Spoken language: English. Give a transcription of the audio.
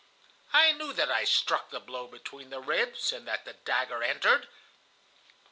"I knew that I struck the blow between the ribs, and that the dagger entered.